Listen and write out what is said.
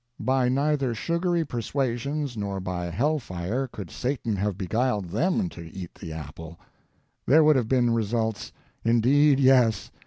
By neither sugary persuasions nor by hell fire could Satan have beguiled _them _to eat the apple. There would have been results! Indeed, yes.